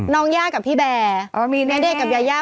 น้องย่ากับพี่แบร์อ๋อมีนี่แดดเด็กกับยาย่า